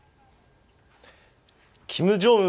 キム・ジョンウン